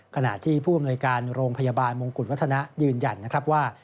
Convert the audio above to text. ขณะที่ผู้อำนวยการโรงพยาบาลมงกุฎวัฒนะยืนยันนะครับว่า